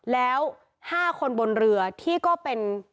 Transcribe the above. แล้ว๕คนบนเรือที่ก็เป็น